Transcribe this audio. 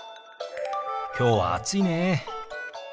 きょうは暑いね。